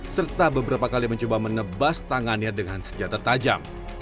serta beberapa kali mencoba menebas tangannya dengan senjata tajam